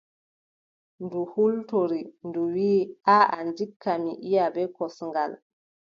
Ndu hultori. Ndu wiʼi: aaʼa ndikka mi iʼa bee kosngal.